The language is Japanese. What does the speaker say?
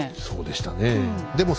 そうでしたねえ。